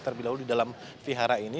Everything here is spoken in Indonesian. terlebih dahulu di dalam vihara ini